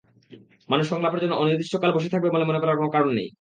মানুষ সংলাপের জন্য অনির্দিষ্টকাল বসে থাকবে বলে মনে করার কোনো কারণ নেই।